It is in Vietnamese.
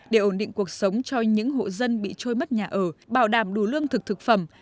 để ổn định cuộc sống cho những hộ dân bị trôi mất nhà ở bảo đảm đủ lương thực thực phẩm